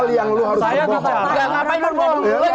ini bukan hal yang lu harus bicara